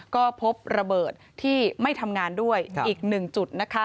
ก็พบระเบิดที่ไม่ทำงานด้วยอีก๑จุด